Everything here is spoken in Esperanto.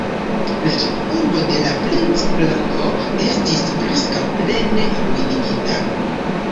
La ĉefurbo de la princlando estis preskaŭ plene ruinigita.